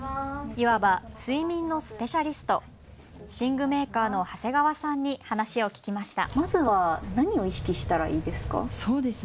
いわば睡眠のスペシャリスト寝具メーカーの長谷川さんに話を聞きました。